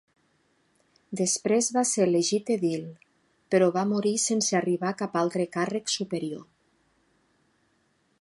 Després va ser elegit edil, però va morir sense arribar a cap altre càrrec superior.